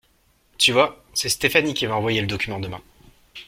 Tu vois, c'est Stéphanie qui va envoyer le document demain.